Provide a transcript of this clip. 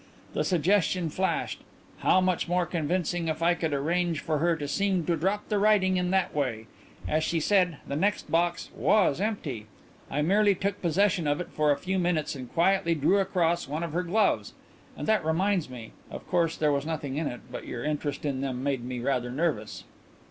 The suggestion flashed how much more convincing if I could arrange for her to seem to drop the writing in that way. As she said, the next box was empty; I merely took possession of it for a few minutes and quietly drew across one of her gloves. And that reminds me of course there was nothing in it, but your interest in them made me rather nervous."